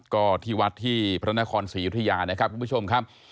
ก็ที่วัดที่พระนครศรียุธยานะครับคุณผู้ชมครับ